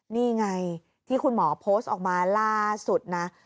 นี่ไงที่คุณหมอโพสต์ออกมาล่าสุดนะ